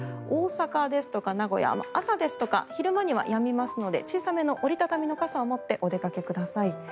大阪ですとか名古屋朝ですとか昼間にはやみますので小さめの折り畳みの傘を持ってお出かけください。